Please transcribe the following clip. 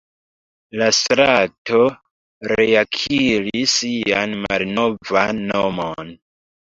La strato reakiris sian malnovan nomon.